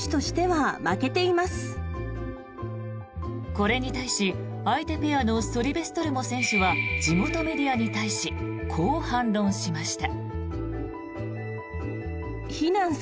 これに対し、相手ペアのソリベストルモ選手は地元メディアに対しこう反論しました。